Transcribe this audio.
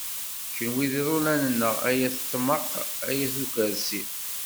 Kunwi d iḍulan-nneɣ, ay at tmaq, ay at ukerzi.